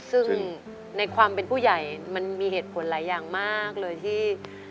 ซึ่งในความเป็นผู้ใหญ่มันมีเหตุผลหลายอย่างมากเลยที่